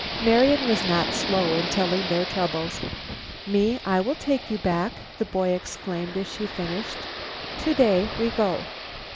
Marian was not slow in telling their troubles. "Me, I will take you back," the boy exclaimed as she finished. "To day we go."